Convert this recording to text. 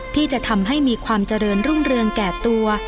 ที่จะทำให้มีความเจริญรุ่งเรืองแก่ตัว